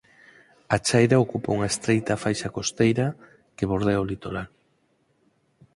A chaira ocupa unha estreita faixa costeira que bordea o litoral.